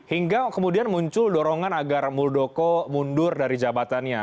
hingga kemudian muncul dorongan agar muldoko mundur dari jabatannya